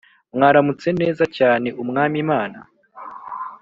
Mwaramutse neza cyane umwami mana